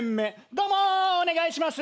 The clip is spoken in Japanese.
どうもお願いします。